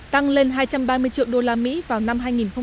tăng lên hai trăm ba mươi triệu usd vào năm hai nghìn một mươi năm